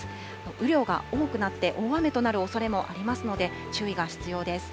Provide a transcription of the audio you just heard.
雨量が多くなって大雨となるおそれもありますので、注意が必要です。